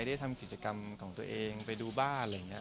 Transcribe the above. ได้ทำกิจกรรมของตัวเองไปดูบ้านอะไรอย่างนี้